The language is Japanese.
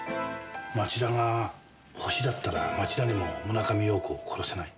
町田がホシだったら町田にも村上陽子を殺せない。